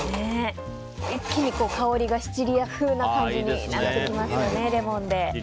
一気に香りがシチリア風な感じになってきますよね。